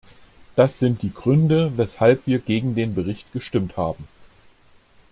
Das sind die Gründe, weshalb wir gegen den Bericht gestimmt haben.